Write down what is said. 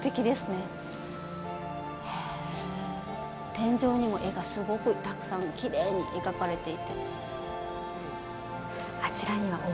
天井にも絵がすごくたくさんきれいに描かれていて。